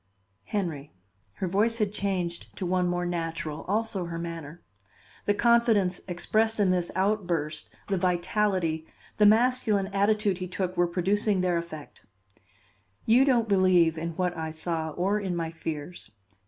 "Henry," her voice had changed to one more natural, also her manner. The confidence expressed in this outburst, the vitality, the masculine attitude he took were producing their effect. "You don't believe in what I saw or in my fears.